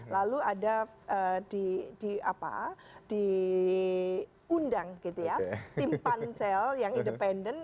lalu ada diundang timpan sel yang independen